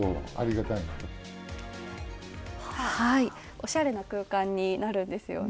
おしゃれな空間になるんですよね。